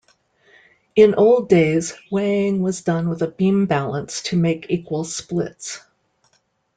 In old days, weighing was done with a beam balance to make equal splits.